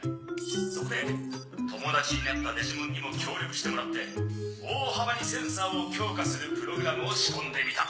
そこで友達になったデジモンにも協力してもらって大幅にセンサーを強化するプログラムを仕込んでみた。